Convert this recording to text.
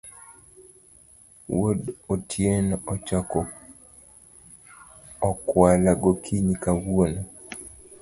Wuod Otieno ochako okwala gokinyi kawuono